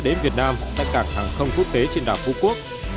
đến việt nam tại cảng hàng không quốc tế trên đảo phúc quân